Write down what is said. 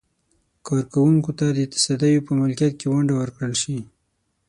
کارکوونکو ته د تصدیو په ملکیت کې ونډه ورکړل شي.